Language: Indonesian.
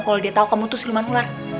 kalo dia tau kamu tuh silman ular